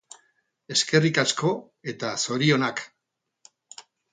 Eskerrik asko eta zorionak!